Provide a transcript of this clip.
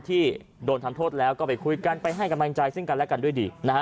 ที่โดนทำโทษแล้วก็ไปคุยกันไปให้กำลังใจซึ่งกันและกันด้วยดีนะฮะ